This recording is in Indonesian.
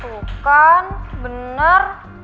tuh kan bener